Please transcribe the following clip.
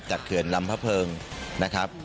จากเผื่อนรำพะเฟิร์งนะครับ